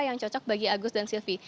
yang cocok bagi agus dan silvi